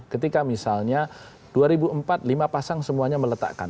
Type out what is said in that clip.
ketika misalnya dua ribu empat lima pasang semuanya meletakkan